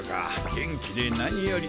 元気でなにより。